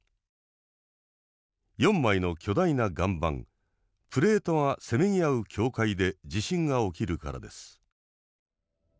４枚の巨大な岩盤プレートがせめぎ合う境界で地震が起きるからです。